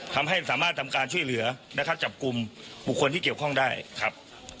ทำให้สามารถทำการช่วยเหลือนะครับจับกลุ่มบุคคลที่เกี่ยวข้องได้ครับ